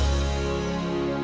untuk jadi lebih baik